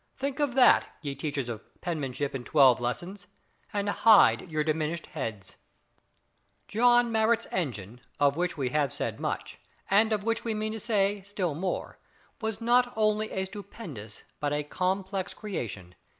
Think of that, ye teachers of "penmanship in twelve lessons," and hide your diminished heads. John Marrot's engine, of which we have said much, and of which we mean to say still more, was not only a stupendous, but a complex creation.